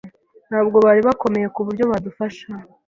Ntabwo bari bakomeye kuburyo badufasha.